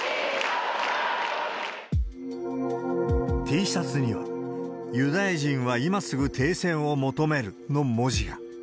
Ｔシャツには、ユダヤ人は今すぐ停戦を求める！の文字が。